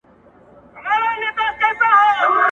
دا سينه سپينه له هغه پاکه ده؟